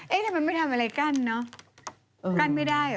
ทำไมไม่ทำอะไรกั้นเนอะกั้นไม่ได้เหรอ